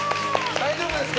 大丈夫ですか？